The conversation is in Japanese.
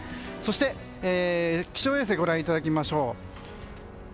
そして気象衛星をご覧いただきましょう。